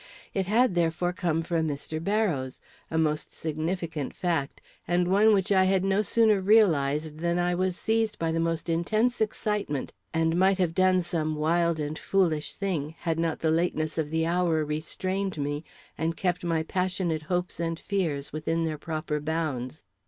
It had, therefore, come from Mr. Barrows; a most significant fact, and one which I had no sooner realized than I was seized by the most intense excitement, and might have done some wild and foolish thing, had not the lateness of the hour restrained me, and kept my passionate hopes and fears within their proper bounds.